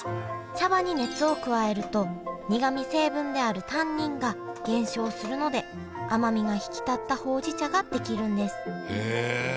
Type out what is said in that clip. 茶葉に熱を加えると苦み成分であるタンニンが減少するので甘みが引き立ったほうじ茶が出来るんですへえ。